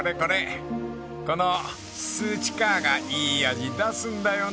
［このスーチカーがいい味出すんだよな］